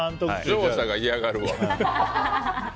業者が嫌がるわ。